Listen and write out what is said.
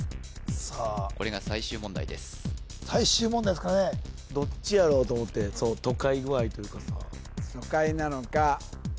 さあこれが最終問題です最終問題ですからねどっちやろうと思って都会具合というかさ都会なのか広さなのかとかね